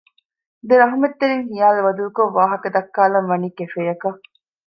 ދެރަހްމަތްތެރިން ހިޔާލު ބަދަލުކޮށް ވާހަކަދައްކާލަން ވަނީ ކެފޭއަކަށް